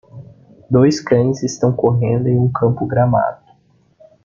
Dois cães estão correndo em um campo gramado.